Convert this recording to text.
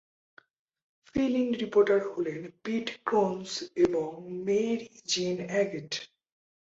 Fill-in reporter হলেন Pete Cronshaw এবং Mary-gen agate.